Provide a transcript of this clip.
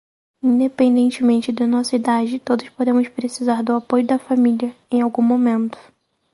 Independentemente da nossa idade, todos podemos precisar do apoio da família em algum momento.